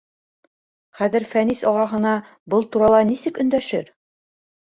Хәҙер Фәнис ағаһына был турала нисек өндәшер?